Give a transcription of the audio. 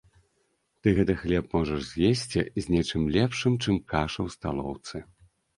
Ты гэты хлеб можаш з'есці з нечым лепшым, чым каша ў сталоўцы.